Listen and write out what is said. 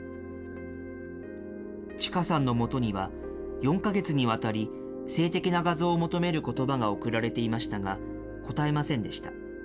ちかさんのもとには、４か月にわたり、性的な画像を求めることばが送られていましたが、応えませんでした。